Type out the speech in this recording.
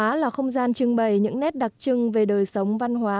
ngày hội văn hóa là không gian trưng bày những nét đặc trưng về đời sống văn hóa